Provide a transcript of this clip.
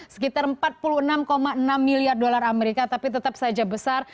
sekitar empat puluh enam enam miliar dolar amerika tapi tetap saja besar